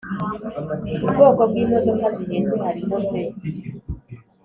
Ubwoko bwimodoka zihenze harimo v